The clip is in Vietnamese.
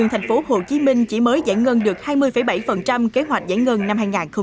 hồ chí minh chỉ mới giải ngân được hai mươi bảy kế hoạch giải ngân năm hai nghìn hai mươi